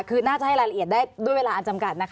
คือน่าจะให้รายละเอียดได้ด้วยเวลาอันจำกัดนะคะ